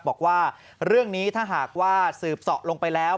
บอกว่าเรื่องนี้ถ้าหากว่าสืบเสาะลงไปแล้ว